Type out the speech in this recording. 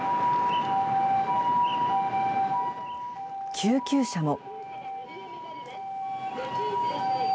救急車も。